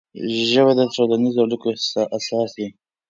ژبه د ټولنیزو اړیکو اساس دی